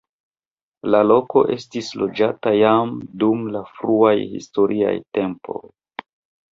La loko estis loĝata jam dum la fruaj historiaj tempoj.